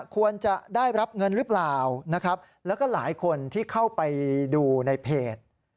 ควรจะได้รับเงินหรือเปล่านะครับแล้วก็หลายคนที่เข้าไปดูในเพจ